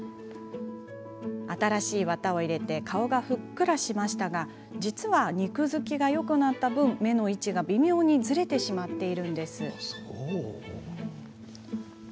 新しい綿を入れて顔がふっくらしましたが実は、肉づきがよくなった分目の位置が微妙にずれてしまっているんです。